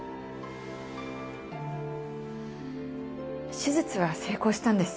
手術は成功したんです。